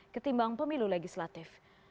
ketimbang pemilu legislatif